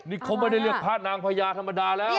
นี่เขาไม่ได้เรียกพระนางพญาธรรมดาแล้ว